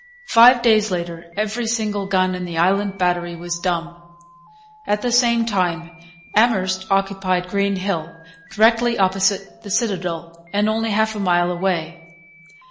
Five days later every single gun in the Island Battery was dumb. At the same time Amherst occupied Green Hill, directly opposite the citadel and only half a mile away.